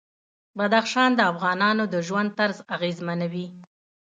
بدخشان د افغانانو د ژوند طرز اغېزمنوي.